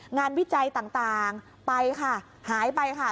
วิจัยต่างไปค่ะหายไปค่ะ